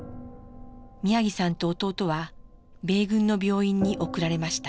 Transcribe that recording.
宮城さんと弟は米軍の病院に送られました。